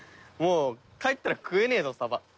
もう帰ったら食えねえぞさば。